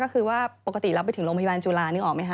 ก็คือว่าปกติเราไปถึงโรงพยาบาลจุฬานึกออกไหมค